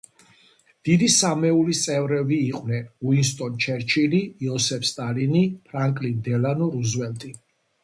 დიდი სამეულის წევრები იყვნენ: უინსტონ ჩერჩილი, იოსებ სტალინი, ფრანკლინ დელანო რუზველტი.